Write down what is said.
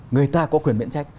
người ta có quyền miễn trách